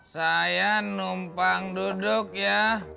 saya numpang duduk ya